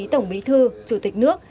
tổng bí thư chủ tịch nước